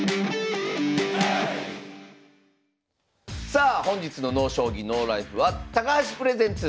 さあ本日の「ＮＯ将棋ＮＯＬＩＦＥ」は「高橋プレゼンツ